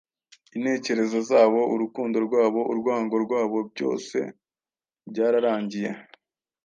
Intekerezo zabo, urukundo rwabo, urwango rwabo byose byararangiye.